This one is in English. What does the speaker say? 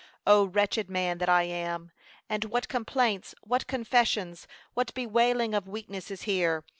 '0 wretched man that I am,' &c. What complaints, what confessions, what bewailing of weakness is here?